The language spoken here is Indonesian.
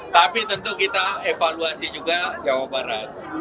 tapi tentu kita evaluasi juga jawa barat